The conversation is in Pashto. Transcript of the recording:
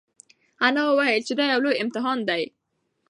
انا وویل چې دا یو لوی امتحان دی.